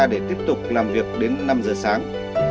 để tiếp tục làm việc đến năm giờ sáng